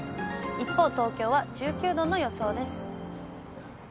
一方、東京は１９度の予想です。